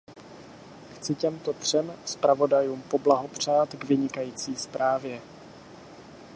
Chci těmto třem zpravodajům poblahopřát k vynikající zprávě.